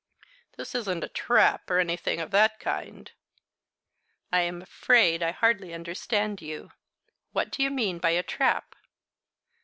"This isn't a trap, or anything of that kind?" "I am afraid I hardly understand you. What do you mean by a trap?"